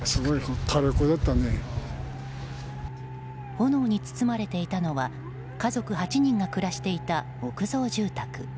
炎に包まれていたのは家族８人が暮らしていた木造住宅。